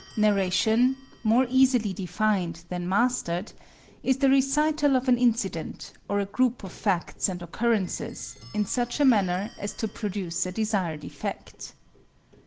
Narration more easily defined than mastered is the recital of an incident, or a group of facts and occurrences, in such a manner as to produce a desired effect.